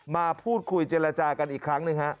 มาพูดคุยเจรจากันอีกครั้งหนึ่งฮะ